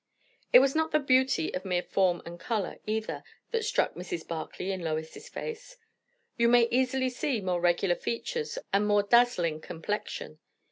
It was not the beauty of mere form and colour, either, that struck Mrs. Barclay in Lois's face. You may easily see more regular features and more dazzling complexion.